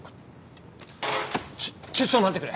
ちょっちょっと待ってくれ。